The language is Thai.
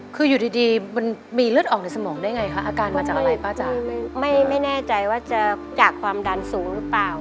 คืออยู่ดีมันมีเลือดออกในสมองได้ไงคะอาการมาจากอะไรป้าจ๋าไม่ไม่แน่ใจว่าจะจากความดันสูงหรือเปล่า